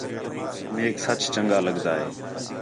میک سچ چَنڳا لڳدا ہے